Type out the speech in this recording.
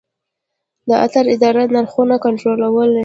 د اترا اداره نرخونه کنټرولوي؟